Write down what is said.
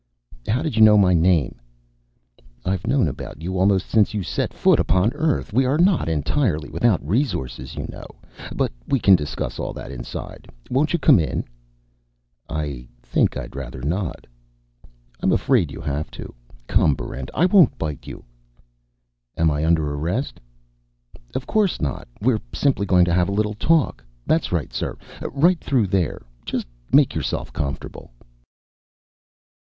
"How did you know my name?" "I've known about you almost since you set foot upon Earth. We are not entirely without resources you know. But we can discuss all that inside. Won't you come in?" "I think I'd rather not." "I'm afraid you have to. Come, Barrent, I won't bite you." "Am I under arrest?" "Of course not. We're simply going to have a little talk. That's right, sir, right through there. Just make yourself comfortable."